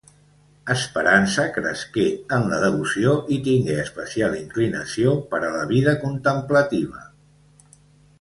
Esperança cresqué en la devoció i tingué especial inclinació per a la vida contemplativa.